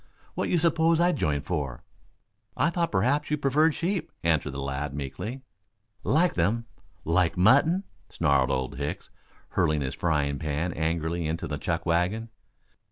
What you suppose I joined for?" "I thought perhaps you preferred sheep," answered the lad meekly. "Like them like mutton?" snarled Old Hicks, hurling his frying pan angrily into the chuck wagon.